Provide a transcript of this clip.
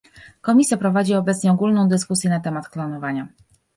Komisja prowadzi obecnie ogólną dyskusję na temat klonowania